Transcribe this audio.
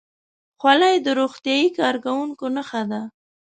خولۍ د روغتیايي کارکوونکو نښه ده.